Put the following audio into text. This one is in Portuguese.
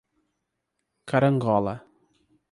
Carangola